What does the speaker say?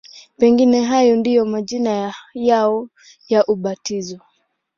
Pengine hayo ndiyo majina yao ya ubatizo.